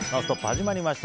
始まりました。